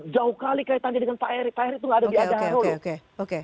jauh kali kayak tanya dengan pak erick pak erick itu nggak ada di adaro